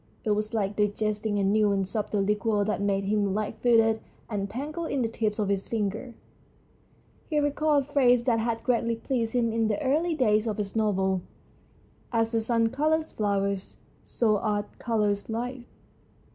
It was like digesting a new and subtle liqueur that made him light footed and tingled in the tips of his fingers. He recalled a phrase that had greatly pleased him in the early days of his novel. "As the sun colours flowers, so Art colours life."